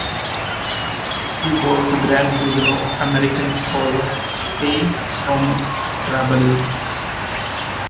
He was the grandfather of American scholar A. Thomas Kraabel.